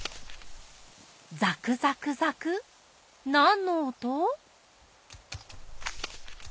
ざくざくざくなんのおと？